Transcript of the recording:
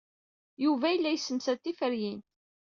Yuba yella yessemsad tiferyin.